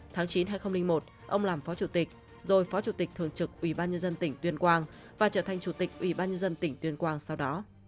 tháng chín hai nghìn một ông làm phó chủ tịch rồi phó chủ tịch thường trực ủy ban nhân dân tỉnh tuyên quang và trở thành chủ tịch ủy ban nhân dân tỉnh tuyên quang sau đó